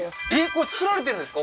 これ作られてるんですか？